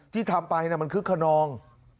ที่ทำไปมันคึกขนอง